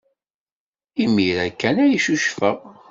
Imir-a kan ay ccucfeɣ.